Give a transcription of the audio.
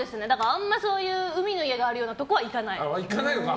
あまり海の家があるようなところには行かない。